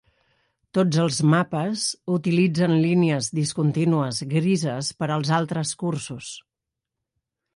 Tots els mapes utilitzen línies discontínues grises per als altres cursos.